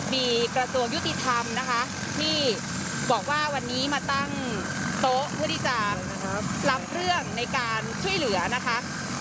มีกระทรวงยุติธรรมนะคะที่บอกว่าวันนี้มาตั้งโต๊ะเพื่อที่จะรับเรื่องในการช่วยเหลือนะคะ